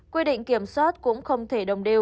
quy định kiểm soát cũng không thể đồng điều